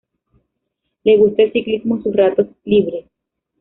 Le gusta el ciclismo en sus ratos libres.